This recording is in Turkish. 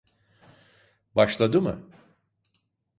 Başladı mı?